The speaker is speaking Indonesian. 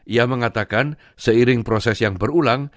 ia mengatakan seiring proses yang berulang